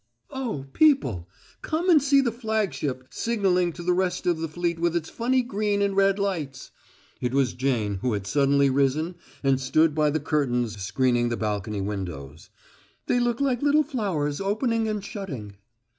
"Oh, people! Come and see the flagship, signaling to the rest of the fleet with its funny green and red lights!" It was Jane who had suddenly risen and stood by the curtains screening the balcony windows. "They look like little flowers opening and shutting."